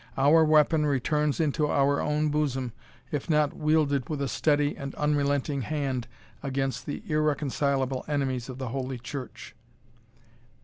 Our weapon returns into our own bosom, if not wielded with a steady and unrelenting hand against the irreconcilable enemies of the Holy Church.